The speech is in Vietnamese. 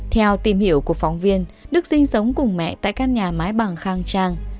theo tìm hiểu của phóng viên đức sinh sống cùng mẹ tại căn nhà mái bằng khang trang